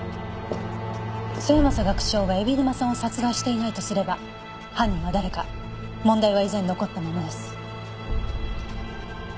末政学長が海老沼さんを殺害していないとすれば犯人は誰か問題は依然残ったままです。